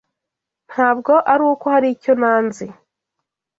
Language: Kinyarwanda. Ntabwo ari uko hari icyo nanze.